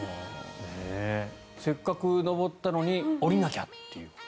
せっかく上ったのに下りなきゃという。